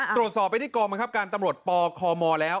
ตรวจสอบไปที่กรมการตำรวจปคมแล้ว